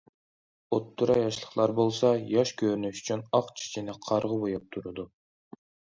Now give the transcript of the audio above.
ئوتتۇرا ياشلىقلار بولسا ياش كۆرۈنۈش ئۈچۈن ئاق چېچىنى قارىغا بوياپ تۇرىدۇ.